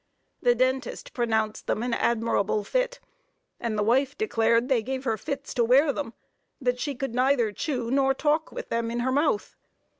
The dentist pronounced them an admirable fit, and the wife declared they gave her fits to wear them; that she could neither chew nor talk with them in her mouth.